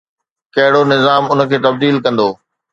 ڪهڙو نظام ان کي تبديل ڪندو؟